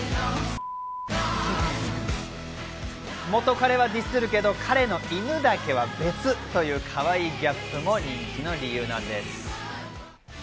元カレはディスるけど、彼の犬だけは別というかわいいギャップも人気の理由なんです。